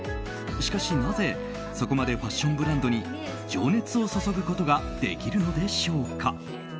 しかし、なぜそこまでファッションブランドに情熱を注ぐことができるのでしょうか。